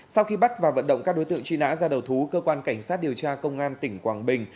sau khi bắt và vận động các đối tượng truy nã ra đầu thú cơ quan cảnh sát điều tra công an tỉnh quảng bình